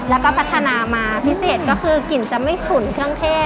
แล้วก็พัฒนามาพิเศษก็คือกลิ่นจะไม่ฉุนเครื่องเทศ